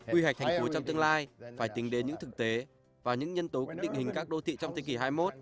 quy hoạch thành phố trong tương lai phải tính đến những thực tế và những nhân tố cũng định hình các đô thị trong thế kỷ hai mươi một